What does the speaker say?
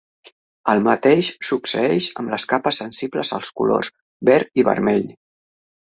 El mateix succeeix amb les capes sensibles als colors verd i vermell.